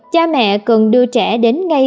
cha mẹ cần đưa trẻ đến ngay